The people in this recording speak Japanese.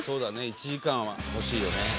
１時間は欲しいよね。